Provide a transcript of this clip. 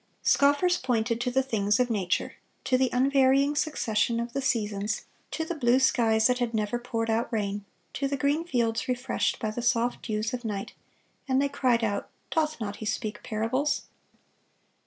Scoffers pointed to the things of nature,—to the unvarying succession of the seasons, to the blue skies that had never poured out rain, to the green fields refreshed by the soft dews of night,—and they cried out, "Doth he not speak parables?"